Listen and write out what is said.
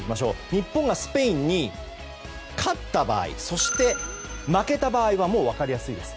日本がスペインに勝った場合そして、負けた場合はもう分かりやすいです。